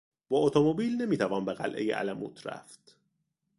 با اتومبیل نمیتوان به قلعهی الموت رفت.